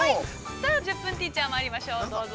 ◆さあ、「１０分ティーチャー」まいりましょう、どうぞ。